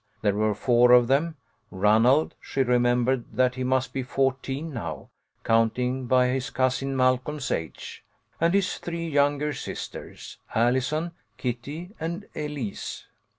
There were four of them, Ranald (she remembered that he must be fourteen now, counting by his cousin Malcolm's age) and his three younger sisters, Allison, Kitty, and Elise.